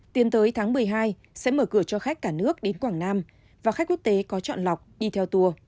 tiến tới tháng một mươi hai sẽ mở cửa cho khách cả nước đến quảng nam và khách quốc tế có chọn lọc đi theo tour